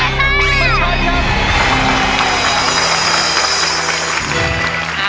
ไม่ใช้ครับ